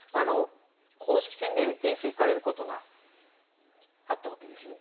公式戦で遠征行かれることがあったわけですよね？